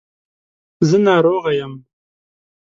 زه ناروغه یم .